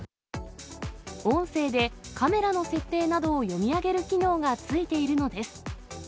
音声でカメラの設定などを読み上げる機能が付いているのです。